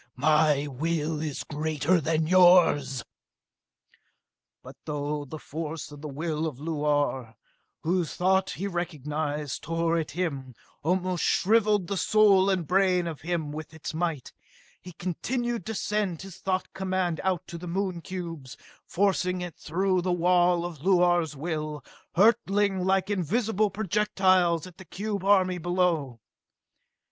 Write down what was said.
My will is greater than yours!" But though the force of the will of Luar, whose thought he recognized, tore at him, almost shriveled the soul and brain of him with its might, he continued to send his thought command out to the Moon cubes, forcing it through the wall of Luar's will, hurling it like invisible projectiles at the cube army below.